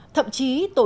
thậm chí tổ chí